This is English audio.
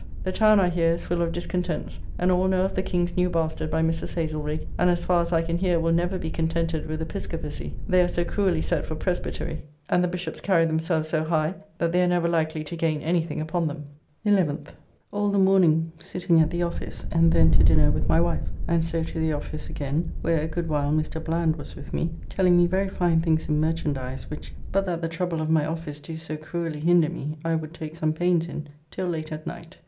The town, I hear, is full of discontents, and all know of the King's new bastard by Mrs. Haslerigge, and as far as I can hear will never be contented with Episcopacy, they are so cruelly set for Presbytery, and the Bishopps carry themselves so high, that they are never likely to gain anything upon them. 11th. All the morning sitting at the office, and then to dinner with my wife, and so to the office again (where a good while Mr. Bland was with me, telling me very fine things in merchandize, which, but that the trouble of my office do so cruelly hinder me, I would take some pains in) till late at night.